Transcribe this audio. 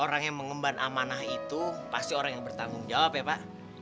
orang yang mengemban amanah itu pasti orang yang bertanggung jawab ya pak